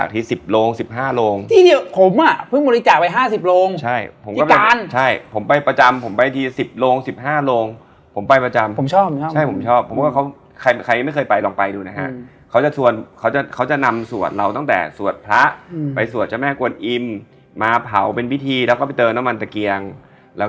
ทุกคนลงมาเราก็เลยเป็นตัวตั้งตีว